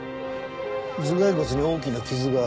頭蓋骨に大きな傷がある。